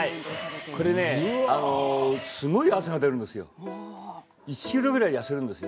すごい汗が出るんですよ。